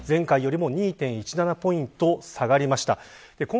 前回よりも２．１７ポイント下がりました。